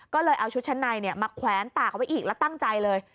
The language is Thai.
ก็เลยเอาชุดชั้นในมาแขวนตากเอาไว้อีกแล้วตั้งใจเลย